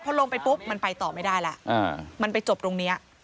พอลงไปปุ๊บมันไปต่อไม่ได้แล้วมันไปจบตรงนี้